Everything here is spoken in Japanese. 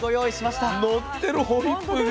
のってるホイップが。